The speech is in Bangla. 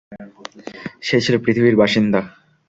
সে ছিল পৃথিবীর বাসিন্দা।